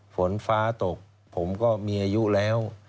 ฝนฟ้าตกผมก็มีอายุแล้ว